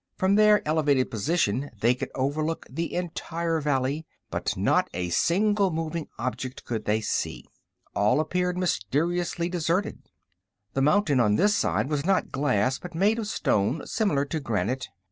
From their elevated position they could overlook the entire valley, but not a single moving object could they see. All appeared mysteriously deserted. The mountain on this side was not glass, but made of a stone similar to granite.